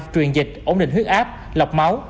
truyền dịch ổn định huyết áp lọc máu